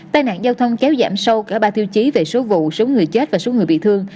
tai nạn giao thông kéo giảm sâu cả ba tiêu chí về số vụ số người chết và số người bị thương